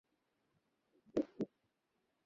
তা বলতে পারেন।